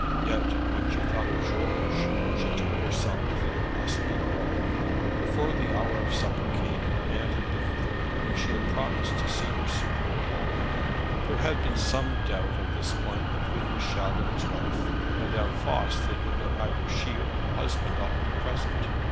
Yet, when she thought of George, she told herself that it must be borne. Before the hour of supper came, her aunt had been with her, and she had promised to see her suitor alone. There had been some doubt on this point between Michel and his wife, Madame Voss thinking that either she or her husband ought to be present.